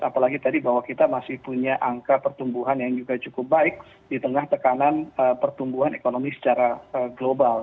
apalagi tadi bahwa kita masih punya angka pertumbuhan yang juga cukup baik di tengah tekanan pertumbuhan ekonomi secara global